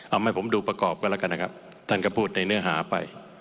เอาให้ผมดูประกอบกันแล้วกันนะครับท่านก็พูดในเนื้อหาไป